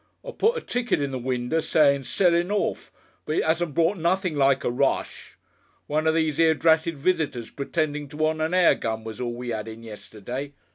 I put a ticket in the winder sayin' 'sellin' orf,' but it 'asn't brought nothing like a roosh. One of these 'ere dratted visitors pretendin' to want an air gun, was all we 'ad in yesterday.